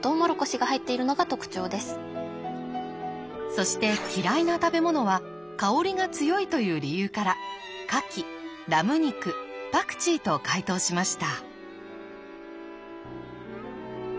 そして嫌いな食べ物は香りが強いという理由から牡蠣ラム肉パクチーと解答しました。